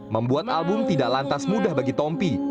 membuat album tidak lantas mudah bagi tompi